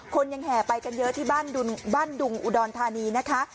คนยังแห่ไปกันเยอะที่บ้านดุงอุดรธานีนะคะ